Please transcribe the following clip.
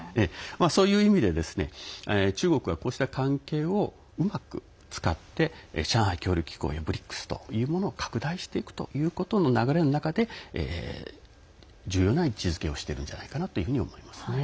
そういう意味で、中国はこうした関係をうまく使って、上海協力機構やＢＲＩＣＳといったものを拡大していくということの流れの中で重要な位置づけをしているのではないかと思います。